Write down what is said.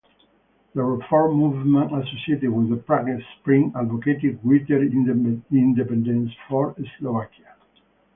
The reform movement associated with the Prague Spring advocated greater independence for Slovakia.